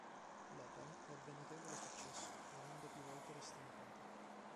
L'opera ebbe notevole successo, venendo più volte ristampata.